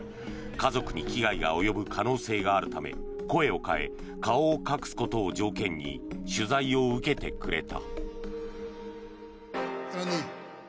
家族に危害が及ぶ可能性があるため声を変え顔を隠すことを条件に取材を受けてくれた。